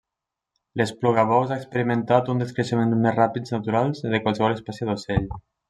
L'esplugabous ha experimentat un dels creixements més ràpids naturals de qualsevol espècie d'ocell.